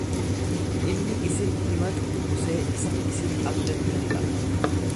Inni isin himatu Musee isa isin abdattani dha.